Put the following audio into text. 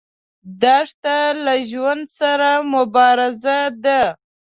دښته له ژوند سره مبارزه ده.